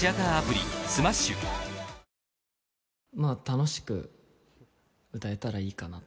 楽しく歌えたらいいかなと。